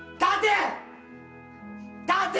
立て！